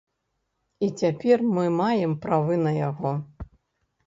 І цяпер мы маем правы на яго.